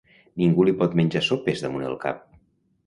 Ningú li pot menjar sopes damunt el cap.